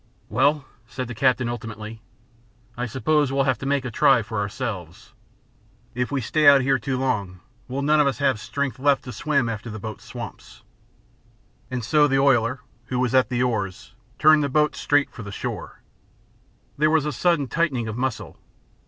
"Well," said the captain, ultimately, "I suppose we'll have to make a try for ourselves. If we stay out here too long, we'll none of us have strength left to swim after the boat swamps." And so the oiler, who was at the oars, turned the boat straight for the shore. There was a sudden tightening of muscle.